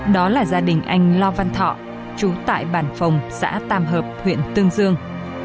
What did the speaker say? đó là gia đình anh lo văn thọ chú tại bản phòng xã tam hợp huyện tương dương